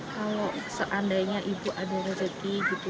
kalau seandainya ibu ada rezeki gitu